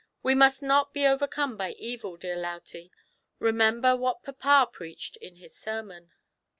We must not be overcome by evil, dear Lautie ; remember what papa preached in his sermon."